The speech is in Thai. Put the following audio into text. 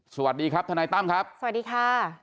สวัสดีครับทนายตั้มครับสวัสดีค่ะ